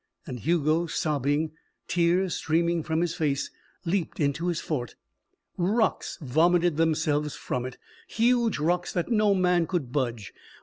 And Hugo, sobbing, tears streaming from his face, leaped into his fort. Rocks vomited themselves from it huge rocks that no man could budge.